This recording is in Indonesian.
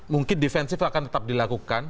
mungkin defensif akan tetap dilakukan